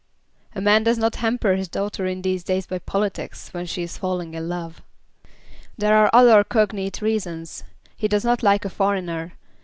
"A man does not hamper his daughter in these days by politics, when she is falling in love." "There are other cognate reasons. He does not like a foreigner.